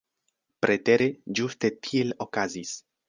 Pretere, ĝuste tiel okazis.